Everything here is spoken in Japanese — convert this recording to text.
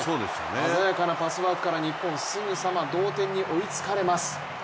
鮮やかなパスワークから日本、すぐさま同点に追いつかれます。